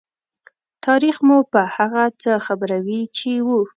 تاریخ مو په هغه څه خبروي چې وو.